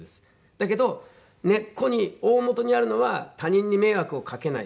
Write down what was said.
だけど根っこに大本にあるのは他人に迷惑をかけない。